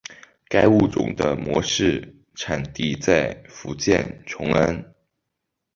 该物种的模式产地在福建崇安。